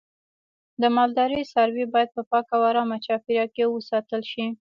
د مالدارۍ څاروی باید په پاکه او آرامه چاپیریال کې وساتل شي.